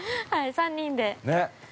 ３人で。